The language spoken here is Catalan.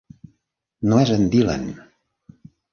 No és en Dylan!